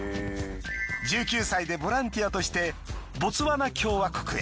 １９歳でボランティアとしてボツワナ共和国へ。